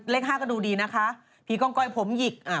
เลข๕ก็ดูดีนะคะภีร์กองก้อยผมหยิมา